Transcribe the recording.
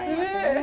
え！